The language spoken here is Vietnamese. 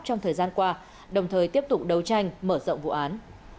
trong thời gian qua đồng thời tiếp tục đấu tranh mở rộng vụ án